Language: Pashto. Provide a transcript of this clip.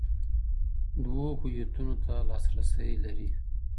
دوو هويتونو ته لاسرسی لري